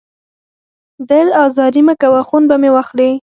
دل ازاري مه کوه، خون به مې واخلې